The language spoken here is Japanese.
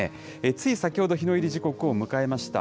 つい先ほど日の入り時刻を迎えました。